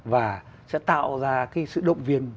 và sẽ tạo ra cái sự động viên